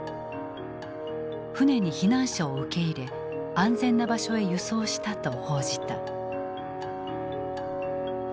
船に避難者を受け入れ安全な場所へ輸送したと報じた。